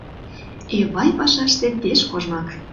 Эвай пашаште пеш кожмак.